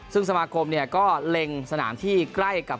ซึ่งสมาคมก็เล็งสนามที่ใกล้กับ